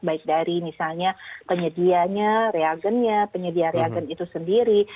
baik dari misalnya penyedianya reagennya penyedia reagen itu sendiri